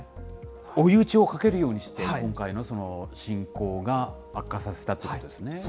追い打ちをかけるようにして、今回の侵攻が悪化させたということですね。